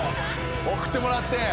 送ってもらって。